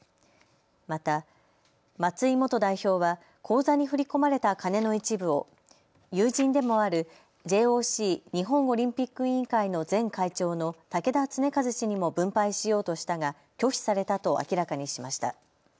また松井元代表は口座に振り込まれた金の一部を友人でもあるＪＯＣ・日本オリンピック委員会の前会長の竹田恒和氏にも分配しようとしたが拒否されたと明らかにしました。